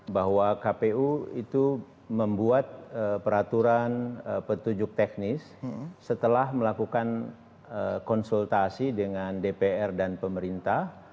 bahwa kpu itu membuat peraturan petunjuk teknis setelah melakukan konsultasi dengan dpr dan pemerintah